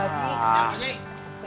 jangan pak haji